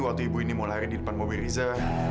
waktu ibu ini mau lari di depan mobil riza